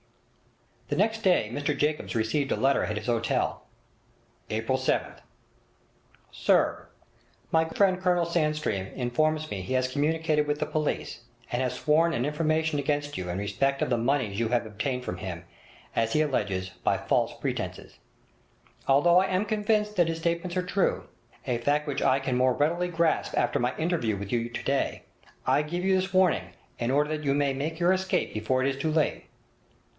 The next day Mr Jacobs received a letter at his hotel: 'April 7th 'Sir—My friend Col. Sandstream informs me he has communicated with the police, and has sworn an information against you in respect of the moneys you have obtained from him, as he alleges, by false pretences. Although I am convinced that his statements are true, a fact which I can more readily grasp after my interview with you today, I give you this warning in order that you may make your escape before it is too late.